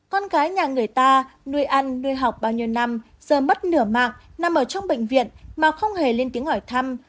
con gái nhà người ta nuôi ăn nuôi học bao nhiêu năm giờ mất nửa mạng nằm ở trong bệnh viện mà không hề lên tiếng hỏi thăm